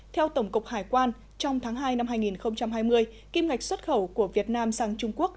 theo tổng cục hải quan trong tháng hai năm hai nghìn hai mươi kim ngạch xuất khẩu của việt nam sang trung quốc